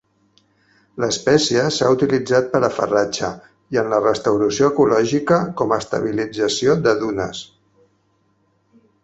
L'espècie s'ha utilitzat per a farratge i en la restauració ecològica, com estabilització de dunes.